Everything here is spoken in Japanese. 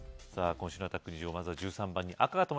今週のアタック２５まずは１